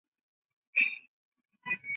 九江浔阳人人。